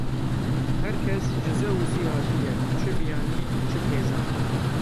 Her kes ji Zeûsî hatiye, çi biyanî, çi xêzan.